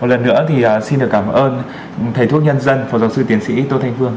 một lần nữa thì xin được cảm ơn thầy thuốc nhân dân phó giáo sư tiến sĩ tô thanh phương